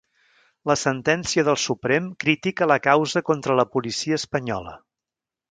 La sentència del Suprem critica la causa contra la policia espanyola